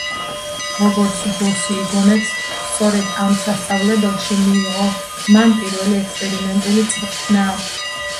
როგორც ბოსი იგონებს, სწორედ ამ სასწავლებელში მიიღო მან პირველი ექსპერიმენტული წვრთნა.